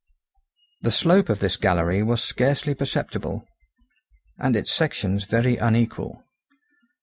The slope of this gallery was scarcely perceptible, and its sections very unequal.